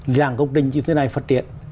ràng công trình như thế này phát triển